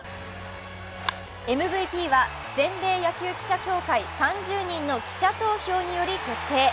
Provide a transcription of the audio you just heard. ＭＶＰは全米野球記者協会３０人の記者投票により決定。